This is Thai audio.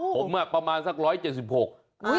ผมประมาณสัก๑๗๖เซนติเมตร